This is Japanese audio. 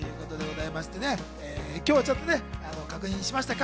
今日はちょっと確認しましたか？